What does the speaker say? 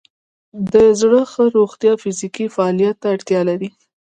د زړه ښه روغتیا فزیکي فعالیت ته اړتیا لري.